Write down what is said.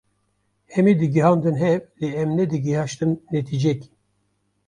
hemî digihandin hev lê em ne digihaştin netîcekê.